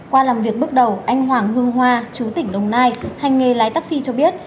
qua làm việc bước đầu anh hoàng hương hoa chú tỉnh đồng nai hành nghề lái taxi cho biết